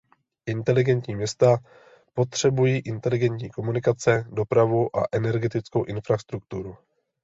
Inteligentní města potrřebují inteligentní komunikace, dopravu a energetickou infrastrukturu.